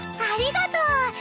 ありがとう！